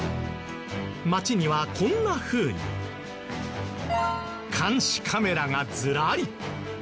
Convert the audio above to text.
街にはこんなふうに監視カメラがずらり。